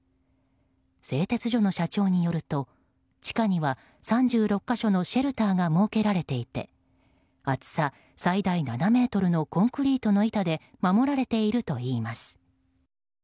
製鉄所の社長によると地下には３６か所のシェルターが設けられていて厚さ最大７ｍのコンクリートの板で守られているといいます。